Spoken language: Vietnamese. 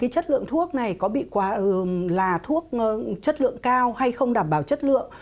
chất lượng thuốc này có là thuốc chất lượng cao hay không đảm bảo chất lượng